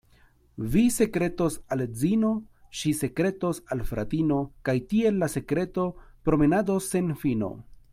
Vi sekretos al edzino, ŝi sekretos al fratino, kaj tiel la sekreto promenados sen fino.